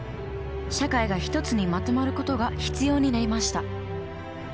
社会が一つにまとまることが必要になりました。